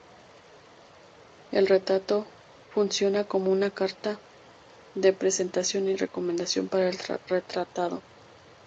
El retrato funciona como carta de presentación y recomendación para el retratado.